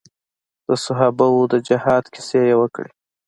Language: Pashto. د صحابه وو د جهاد کيسې يې وکړې.